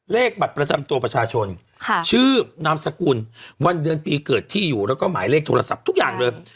เลขบัตรประจำตัวประชาชนชื่อนามสกุลวันเดือนปีเกิดที่อยู่แล้วก็หมายเลขโทรศัพท์ทุกอย่างเลย